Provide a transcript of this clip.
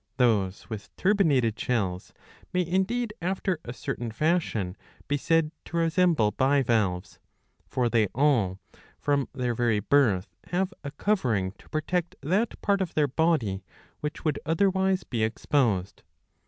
Those with turbinated shells may indeed after a certain fashion be said to resemble bivalves. For they all, from their very birth, have a covering to protect that part of their body which would otherwise be exposed.